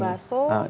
tapi untuk bakso